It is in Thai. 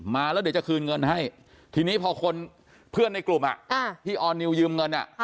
มาแล้วเดี๋ยวจะคืนเงินให้ทีนี้พอคนเพื่อนในกลุ่มที่ออร์นิวยืมเงิน